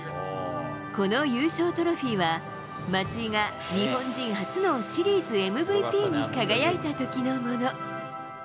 この優勝トロフィーは、松井が日本人初のシリーズＭＶＰに輝いたときのもの。